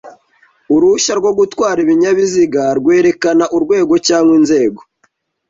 Uruhushya rwo gutwara ibinyabiziga rwerekana urwego cyangwa inzego